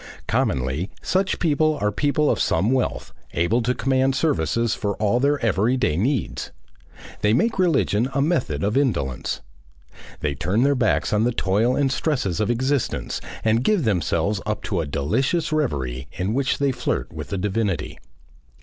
Commonly such people are people of some wealth, able to command services for all their everyday needs. They make religion a method of indolence. They turn their backs on the toil and stresses of existence and give themselves up to a delicious reverie in which they flirt with the divinity.